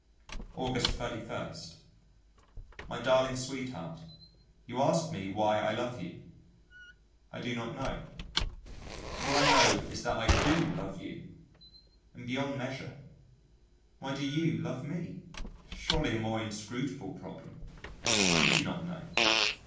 August 31. My darling sweetheart, you ask me why I love you. I do not know. All I know is that I do love you, and beyond measure. Why do you love me surely a more inscrutable problem. You do not know.